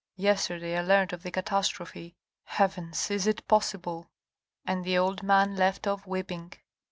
Yesterday I learnt of the catastrophe .... Heavens, is it possible ?" And the old man left off weeping.